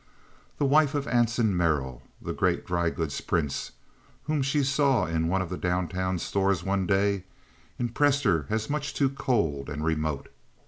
The wife of Anson Merrill, the great dry goods prince, whom she saw in one of the down town stores one day, impressed her as much too cold and remote.